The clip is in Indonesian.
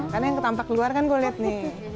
karena yang tampak luar kan kulit nih